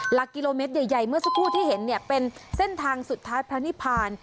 หลักกิโลเมตรใหญ่เมื่อสักครู่ที่เห็นเนี่ยเป็นเส้นทางสุดท้ายพระนิพาน